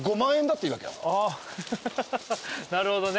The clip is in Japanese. なるほどね。